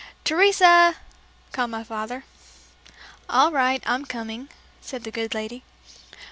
"Teresa!" called my father. "All right, I'm coming," said that good lady.